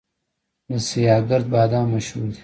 د سیاه ګرد بادام مشهور دي